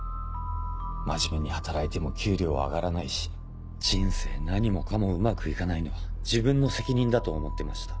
真面目に働いても給料は上がらないし人生何もかもうまくいかないのは自分の責任だと思ってました。